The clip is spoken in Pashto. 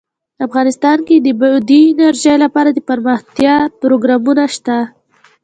افغانستان کې د بادي انرژي لپاره دپرمختیا پروګرامونه شته.